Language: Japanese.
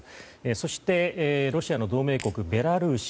そして、ロシアの同盟国ベラルーシ。